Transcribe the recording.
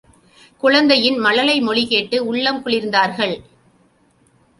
குழந்தையின் மழலை மொழிகேட்டு உள்ளம் குளிர்ந்தார்கள்.